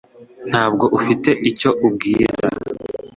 Ntabwo ufite icyo ubwira ?